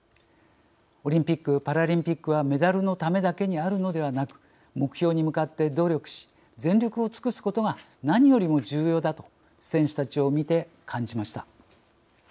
オリンピック・パラリンピックはメダルのためだけにあるのではなく目標に向かって努力し全力を尽くすことが何よりも重要だと選手たちを見て感じました。